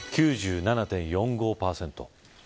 ９７．４５％。